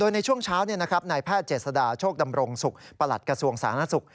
ในช่วงเช้านายแพทย์เจษฎาโชคดำรงศุกร์ประหลัดกระทรวงสาธารณสุข